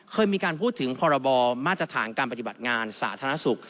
เคยมีการพูดถึงพรบมาตรฐานการปฏิบัติงานสาธารณสุข